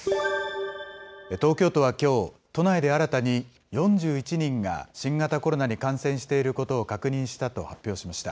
東京都はきょう、都内で新たに４１人が新型コロナに感染していることを確認したと発表しました。